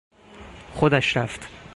خودش رفت.